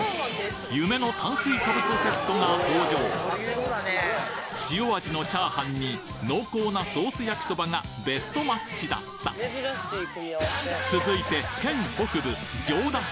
夢の炭水化物セットが登場塩味のチャーハンに濃厚なソース焼きそばがベストマッチだった続いて県北部